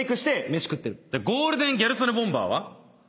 ゴールデンギャル曽根ボンバーは？